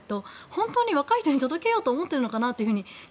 本当に若い人に届けようと思っているのかなと。